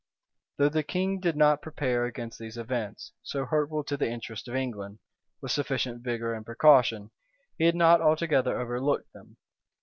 Though the king did not prepare against these events, so hurtful to the interests of England, with sufficient vigor and precaution, he had not altogether overlooked them.